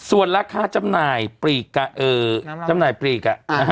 ส่วนราคาจำนายปรีกอ่ะเออจำนายปรีกอ่ะอ่า